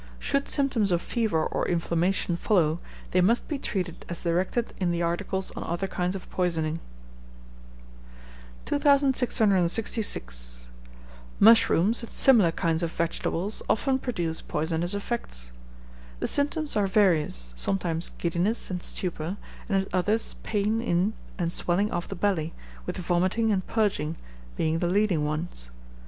Should symptoms of fever or inflammation follow, they must be treated as directed in the articles on other kinds of poisoning. 2666. Mushrooms, and similar kinds of vegetables, often produce poisonous effects. The symptoms are various, sometimes giddiness and stupor, and at others pain in and swelling of the belly, with vomiting and purging, being the leading ones.